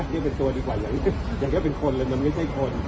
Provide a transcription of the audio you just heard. ดูเป็นตัวดีกว่าอยากเรียกเป็นคนเลยแล้วมันก็ไม่ใช่คน